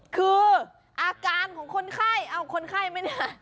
คืออาการของคนไข้เอ้าคนไข้ไหมเนี่ย